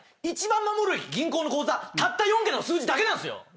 一番守るべき銀行の口座たった４桁の数字だけなんですよ。